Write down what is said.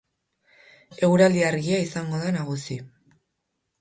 Eguraldi argia izango da nagusi.